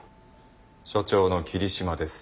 署長の桐島です。